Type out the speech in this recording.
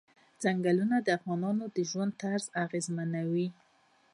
ځنګلونه د افغانانو د ژوند طرز اغېزمنوي.